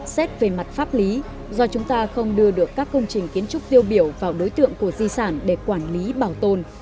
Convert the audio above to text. xét về mặt pháp lý do chúng ta không đưa được các công trình kiến trúc tiêu biểu vào đối tượng của di sản để quản lý bảo tồn